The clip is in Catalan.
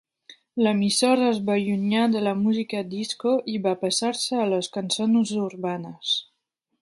L'emissora es va allunyar de la música disco i va passar-se a les cançons urbanes.